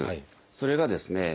それがですね